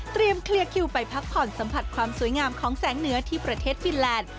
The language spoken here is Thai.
เคลียร์คิวไปพักผ่อนสัมผัสความสวยงามของแสงเหนือที่ประเทศฟินแลนด์